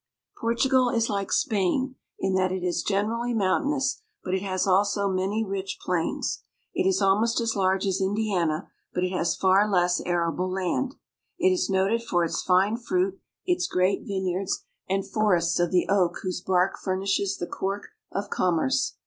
Portugal is like Spain in that it is generally mountainous, but it has also many rich plains. It is almost as large as Indiana, but it has far less arable land. It is noted for its fine fruit, its great vineyards, and forests of the oak whose bark furnishes the cork of commerce.